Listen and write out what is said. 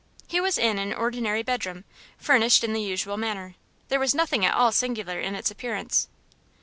He was in an ordinary bedroom, furnished in the usual manner. There was nothing at all singular in its appearance.